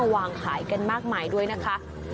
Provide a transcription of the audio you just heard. วางขายกันมากมายด้วยนะคะ